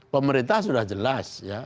pemerintah sudah jelas ya